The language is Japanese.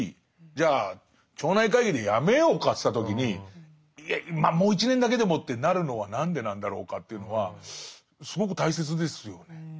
じゃあ町内会議でやめようかっていった時に「まあもう１年だけでも」ってなるのは何でなんだろうかというのはすごく大切ですよね。